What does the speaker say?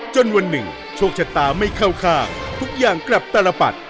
วันหนึ่งโชคชะตาไม่เข้าข้างทุกอย่างกลับตลปัด